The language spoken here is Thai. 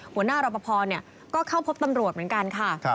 หัวหน้ารอปภก็เข้าพบตำรวจเหมือนกันค่ะ